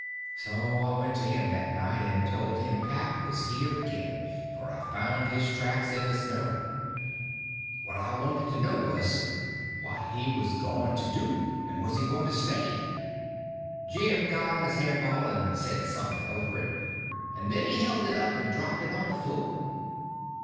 So I went to him that night and told him pap was here again, for I found his tracks in the snow. What I wanted to know was, what he was going to do, and was he going to stay? Jim got out his hair ball and said something over it, and then he held it up and dropped it on the floor.